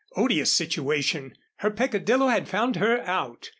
Odious situation! Her peccadillo had found her out!